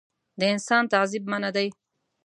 د انسان تعذیب منعه دی.